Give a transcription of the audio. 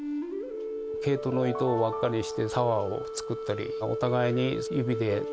毛糸の糸をわっかにしてタワーを作ったりお互いに指でとってくっていう。